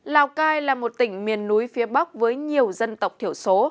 lào cai là một tỉnh miền núi phía bắc với nhiều dân tộc thiểu số